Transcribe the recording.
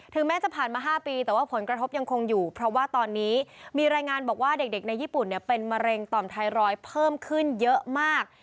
แม้จะผ่านมา๕ปีแต่ว่าผลกระทบยังคงอยู่เพราะว่าตอนนี้มีรายงานบอกว่าเด็กในญี่ปุ่นเป็นมะเร็งต่อมไทรอยด์เพิ่มขึ้นเยอะมาก